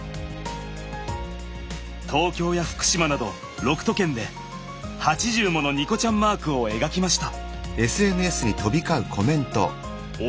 東京や福島など６都県で８０ものニコちゃんマークを描きました。